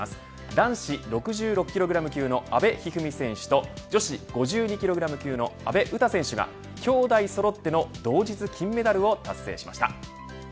男子６６キログラム級の阿部一二三選手と女子５２ｋｇ級の阿部詩選手がきょうだいそろっての同日金メダルを達成しました。